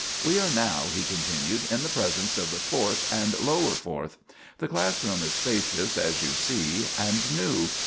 "We are now," he continued, "in the presence of the Fourth and Lower Fourth. The class room is spacious, as you see, and new.